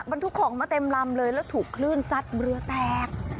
บรรทุกของมาเต็มลำเลยแล้วถูกคลื่นซัดเรือแตก